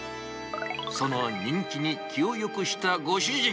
その人気に気をよくしたご主人。